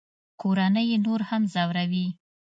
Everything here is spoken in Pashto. کورنۍ یې نور هم ځوروي